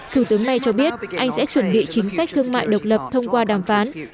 thủ tướng này cho biết anh sẽ chuẩn bị chính sách thương mại độc lập thông qua đàm phán